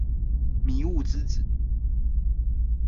迷霧之子